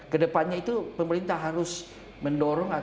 kedepannya itu pemerintah harus mendorong